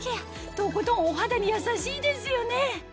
とことんお肌に優しいですよね！